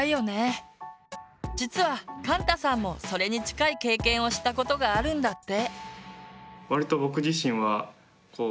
実はかんたさんもそれに近い経験をしたことがあるんだって。